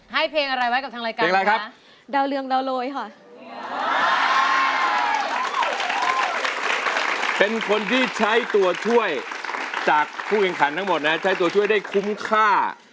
ให้เพลงอะไรไว้กับทางรายการรึนะ